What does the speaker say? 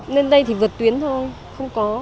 nên đây thì vượt tuyến thôi không có